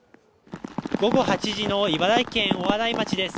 午後８時の茨城県大洗町です。